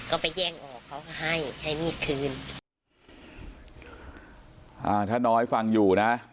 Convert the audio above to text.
ก็ไปแย่งเขาให้ในมีกทศุภาพน้อยฟังอยู่นะ